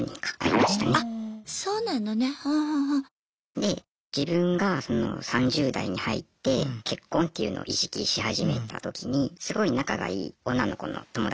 で自分がその３０代に入って結婚というのを意識し始めた時にすごい仲がいい女の子の友達がいたんですね。